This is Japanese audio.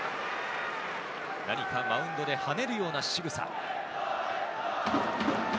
何かマウンドで跳ねるようなしぐさ。